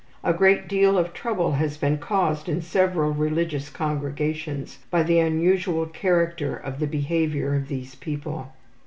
A great deal of trouble has been caused in several religious congregations by the unusual character of the behavior of these people.